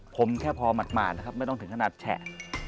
ผมแค่พอหมาดนะครับไม่ต้องถึงขนาดแฉะ